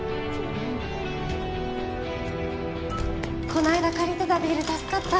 こないだ借りてたビール助かった。